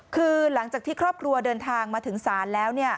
คือหลังจากที่ครอบครัวเดินทางมาถึงศาลแล้ว